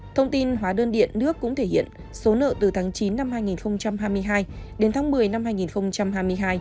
thông tin hóa đơn điện nước cũng thể hiện số nợ từ tháng chín năm hai nghìn hai mươi hai đến tháng một mươi năm hai nghìn hai mươi hai